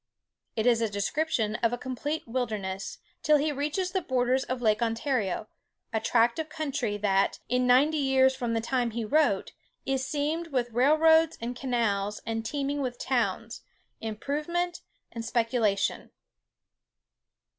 It is a description of a complete wilderness, till he reaches the borders of Lake Ontario—a tract of country that, in ninety years from the time he wrote, is seamed with rail roads and canals, and teeming with towns, improvement and speculation.